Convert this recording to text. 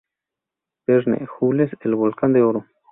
Verne, Jules: "El Volcán de Oro".